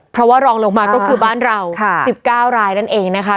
เพราะว่ารองลงมาก็คือบ้านเรา๑๙รายนั่นเองนะคะ